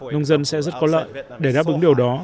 nông dân sẽ rất có lợi để đáp ứng điều đó